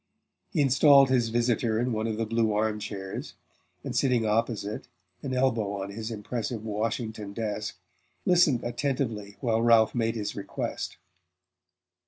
He installed his visitor in one of the blue arm chairs, and sitting opposite, an elbow on his impressive "Washington" desk, listened attentively while Ralph made his request.